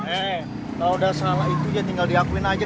eh kalau udah salah itu ya tinggal diakuin aja